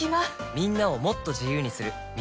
みんなをもっと自由にする「三菱冷蔵庫」